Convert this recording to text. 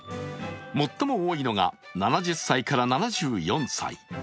最も多いのが７０歳から７４歳。